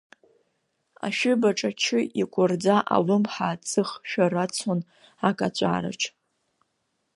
Ашәыб аҿачы, икәырӡа алымҳа, ацыӷ шәарацон акаҵәараҿ.